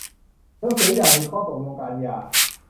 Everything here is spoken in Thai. หนังสือหย่าหรือข้อตกลงการหย่า